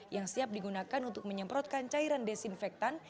yang siap digunakan untuk menyemprotkan cairan desinfektan